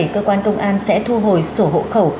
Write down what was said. cơ quan công an sẽ thu hồi sổ hộ khẩu